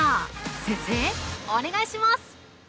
先生、お願いします。